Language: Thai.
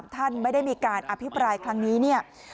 ท่านไม่ได้มีการอภิปรายครั้งนี้เนี่ย